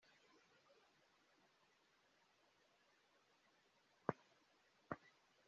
ibyo byonyine ni agahomamunwa